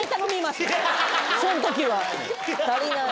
その時は。